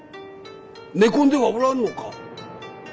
寝込んではおらんのか？